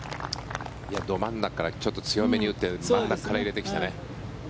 ど真ん中からちょっと強めに打って真ん中から入れてきたね。